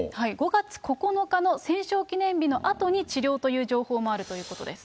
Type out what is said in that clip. ５月９日の戦勝記念日のあとに治療という情報もあるということです。